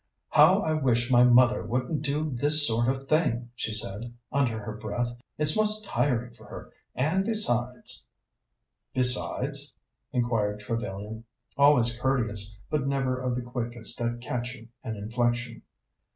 "How I wish my mother wouldn't do this sort of thing!" she said under her breath. "It's most tiring for her, and besides " "Besides?" inquired Trevellyan, always courteous, but never of the quickest at catching an inflection.